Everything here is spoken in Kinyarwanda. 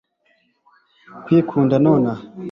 kwikunda nonaha